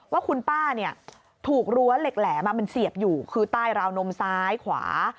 ว่าคุณป้าถูกรั้วเหล็กแหลมมันเสียบอยู่คือใต้ราวนมซ้ายขวา